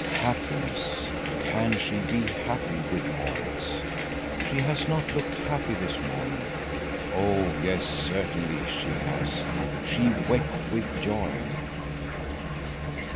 Happiness—Can she be happy with Maurits? She has not looked happy this morning. Oh yes, certainly she has. She wept with joy.